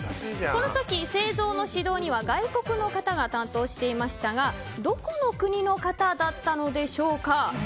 この時、製造の指導には外国の方が担当していましたがどこの国の方だったのでしょうか。